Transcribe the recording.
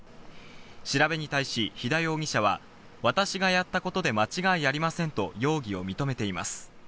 調べに対し肥田容疑者は私がやったことで間違いありませんと容疑を認めています。